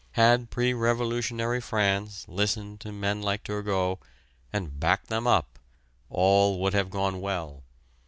Had pre Revolutionary France listened to men like Turgot and backed them up all would have gone well.